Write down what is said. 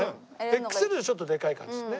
ＸＬじゃちょっとでかい感じですよね。